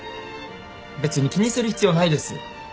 別に気にする必要ないです。